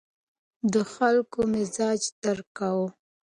ده د خلکو مزاج درک کاوه.